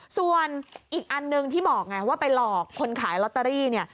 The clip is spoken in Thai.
ส่วนอีกอันหนึ่งที่บอกไงว่าไปหลอกคนขายลอตเตอรี่เนี่ย